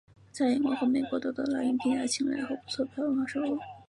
在英国和美国都得到了影评家青睐和不错的票房收入。